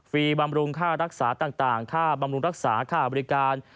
บำรุงค่ารักษาต่างค่าบำรุงรักษาค่าบริการ